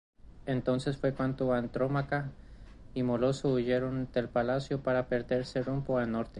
Entonces fue cuando Andrómaca y Moloso huyeron del palacio para perderse rumbo al norte.